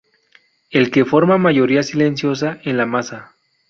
El que forma mayoría silenciosa en la masa.